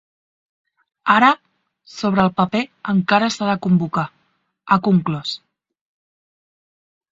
Ara, sobre el paper encara s’ha de convocar, ha conclòs.